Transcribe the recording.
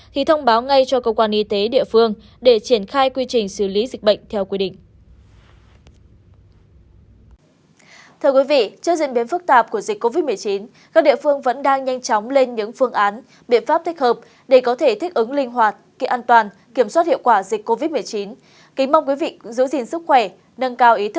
thì thông báo ngay cho cơ quan y tế địa phương để triển khai quy trình xử lý dịch bệnh theo quy định